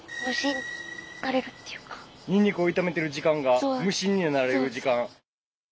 にんにくを炒めてる時間が無心になれる時間。